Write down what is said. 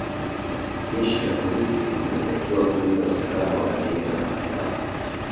jeshi la polisi linatakiwa kulinda usalama wa raia na mali zao